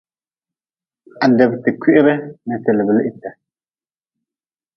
Adebte kwihre n teliblite.